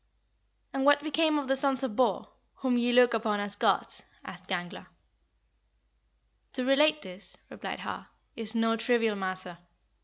8. "And what became of the sons of Bor, whom ye look upon as gods?" asked Gangler. "To relate this," replied Har, "is no trivial matter.